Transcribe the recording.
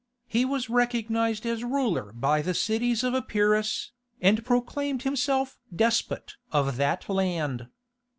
He was recognized as ruler by the cities of Epirus, and proclaimed himself "despot" of that land.